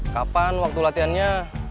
kapan waktu latihannya